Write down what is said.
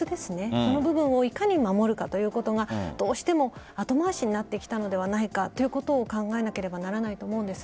その部分をいかに守るかということがどうしても後回しになってきたのではないかということを考えなければならないと思うんです。